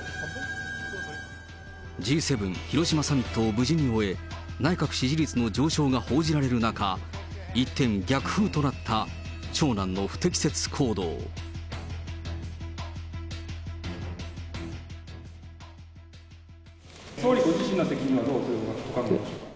Ｇ７広島サミットを無事に終え、内閣支持率の上昇が報じられる中、一転、逆風となった長男の不適切行動。総理ご自身の責任はどうお考えでしょうか。